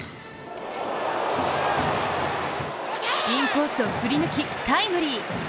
インコースを振り抜きタイムリー。